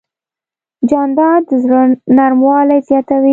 جانداد د زړه نرموالی زیاتوي.